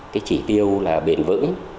cái chỉ tiêu là bền vững